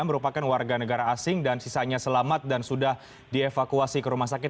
merupakan warga negara asing dan sisanya selamat dan sudah dievakuasi ke rumah sakit